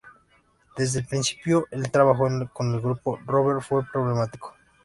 Desde el principio el trabajo con el grupo Rover fue problemático.